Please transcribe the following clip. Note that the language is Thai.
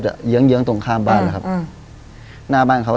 เห่าไม่หอนนะ